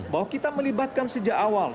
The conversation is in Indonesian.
bahwa kita melibatkan sejak awal